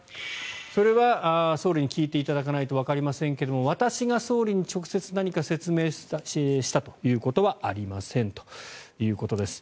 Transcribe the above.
それは総理に聞いていただかないとわかりませんけど私が総理に直接何か説明をしたということはありませんということです。